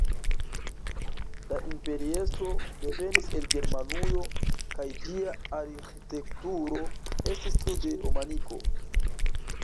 La imperiestro devenis el Germanujo, kaj ĝia arĥitekturo estis tiu de romaniko.